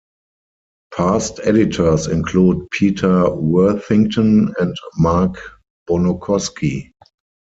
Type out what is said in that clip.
Past editors include Peter Worthington and Mark Bonokoski.